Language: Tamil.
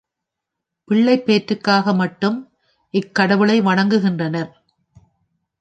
பிள்ளைப்பேற்றுக்காக மட்டும், இக்கடவுளை வணங்குகின்றனர்.